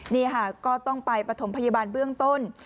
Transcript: นี่ค่ะก็ต้องไปปฐมพยาบาลเบื้องต้น